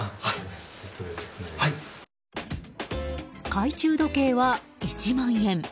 懐中時計は１万円。